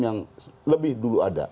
yang lebih dulu ada